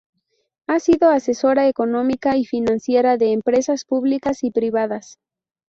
Ha sido asesora económica y financiera de empresas públicas y privadas.